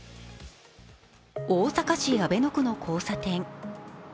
大阪市阿倍野区の交差点。